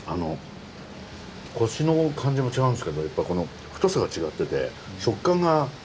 コシの感じも違うんですけどやっぱこの太さが違ってて食感がだいぶ違う。